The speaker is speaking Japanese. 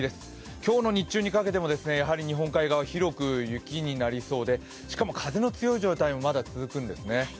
今日の日中にかけても日本海側は広く雪になりそうで、しかも風の強い状態もまだ続くんですね。